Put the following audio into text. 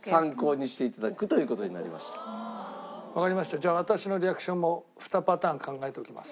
じゃあ私のリアクションも２パターン考えておきます。